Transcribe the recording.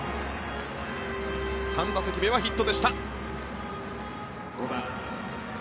３打席目はヒットでした。